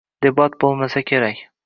Debat bo‘lmasa kerak.